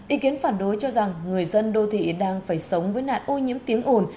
ý kiến phản đối cho rằng người dân đô thị đang phải sống với nạn ô nhiễm tiếng ồn